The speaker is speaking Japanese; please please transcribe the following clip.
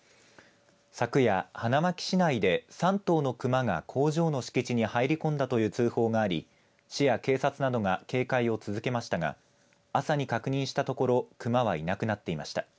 昨夜、花巻市内で３頭の熊が工場の敷地に入り込んだという通報があり市や警察などが警戒を続けましたが朝に確認したところ熊はいなくなっていました。